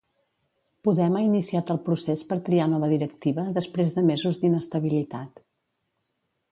Podem ha iniciat el procés per triar nova directiva després de mesos d'inestabilitat.